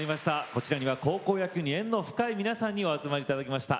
こちらには高校野球に縁の深い皆さんにお集まりいただきました。